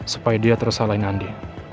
supaya dia terus salahin andien